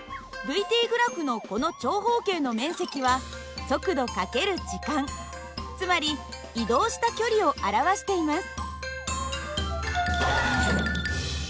ｔグラフのこの長方形の面積は速度×時間つまり移動した距離を表しています。